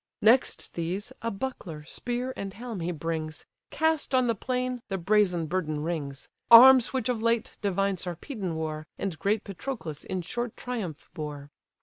Next these a buckler, spear, and helm, he brings; Cast on the plain, the brazen burden rings: Arms which of late divine Sarpedon wore, And great Patroclus in short triumph bore.